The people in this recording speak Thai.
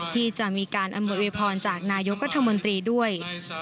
ที่จะมีการอำนวยพรจากนายกรัฐมนตรีด้วย